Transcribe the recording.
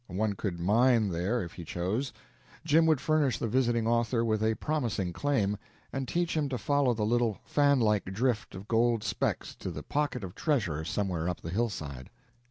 One could mine there if he chose. Jim would furnish the visiting author with a promising claim, and teach him to follow the little fan like drift of gold specks to the pocket of treasure somewhere up the hillside.